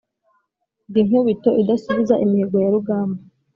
Ndi Nkubito idasubiza imihigo ya rugamba,